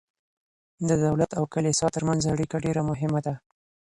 د دولت او کلیسا ترمنځ اړیکه ډیره مهمه ده.